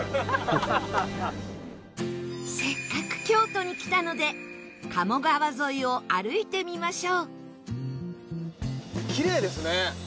せっかく京都に来たので鴨川沿いを歩いてみましょう。